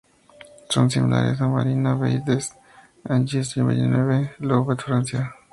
Son similares a Marina Baie des Anges en Villeneuve-Loubet, Francia.